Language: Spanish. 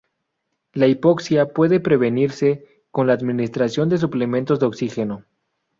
La hipoxia puede prevenirse con la administración de suplementos de oxígeno.